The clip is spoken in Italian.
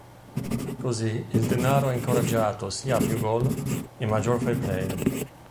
Così il denaro ha incoraggiato sia a più gol e maggior fair play.